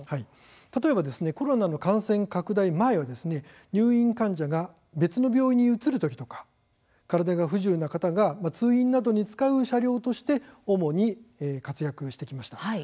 例えばコロナの感染拡大前は入院患者が別の病院に移るときとか体が不自由な方が通院などに使う車両として主に活躍をしてきました。